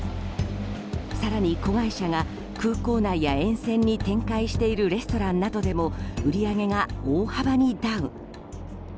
更に子会社が空港内や沿線に展開しているレストランなどでも売り上げが大幅にダウン。